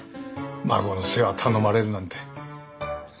孫の世話頼まれるなんて。